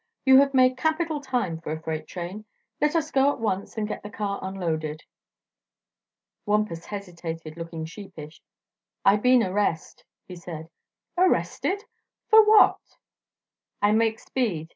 You have made capital time, for a freight train. Let us go at once and get the car unloaded." Wampus hesitated, looking sheepish. "I been arrest," he said. "Arrested! For what?" "I make speed.